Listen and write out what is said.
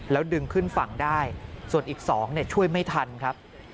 แล้วดึงขึ้นฝั่งได้ส่วนอีก๒ช่วยไม่ทันครับ